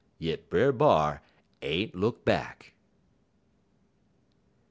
"Yit Brer B'ar ain't look back."